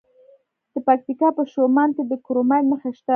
د پکتیکا په خوشامند کې د کرومایټ نښې شته.